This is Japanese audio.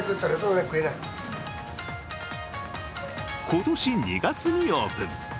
今年２月にオープン。